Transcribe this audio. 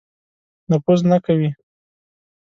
نفوذ نه کوي.